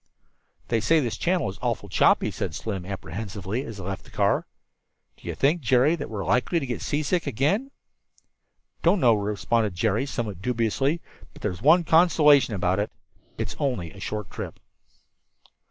"They say this channel is awfully choppy," said Slim apprehensively, as they left the car. "Do you think, Jerry, that we're likely to get seasick again?" "Don't know," responded Jerry, also somewhat dubiously, "but there's one consolation about it it's only a short trip."